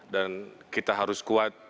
dan kita harus kuat